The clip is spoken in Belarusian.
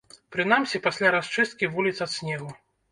Прынамсі, пасля расчысткі вуліц ад снегу.